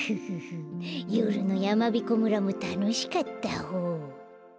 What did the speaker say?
よるのやまびこ村もたのしかったホー。